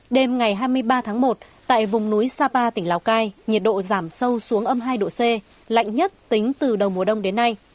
đêm ngày hai mươi ba tháng một tại vùng núi sapa tỉnh lào cai nhiệt độ giảm sâu xuống âm hai độ c lạnh nhất tính từ đầu mùa đông đến nay